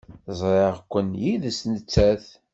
Ẓriɣ-ken yid-s nettat.